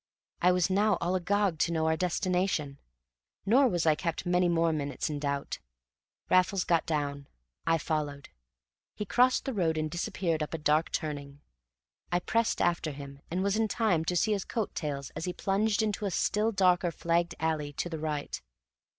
I was now all agog to know our destination, nor was I kept many more minutes in doubt. Raffles got down. I followed. He crossed the road and disappeared up a dark turning. I pressed after him, and was in time to see his coat tails as he plunged into a still darker flagged alley to the right.